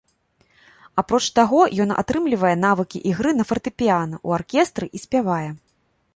Апроч таго ён атрымлівае навыкі ігры на фартэпіяна, у аркестры і спявае.